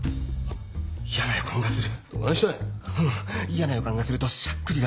嫌な予感がするとしゃっくりが出るんだ。